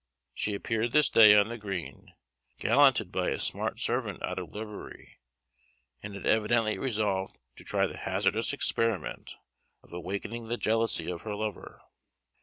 She appeared this day on the green, gallanted by a smart servant out of livery, and had evidently resolved to try the hazardous experiment of awakening the jealousy of her lover.